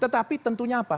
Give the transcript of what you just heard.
tetapi tentunya apa